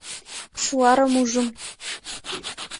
Шуарым ужым.